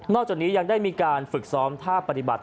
จากนี้ยังได้มีการฝึกซ้อมท่าปฏิบัติ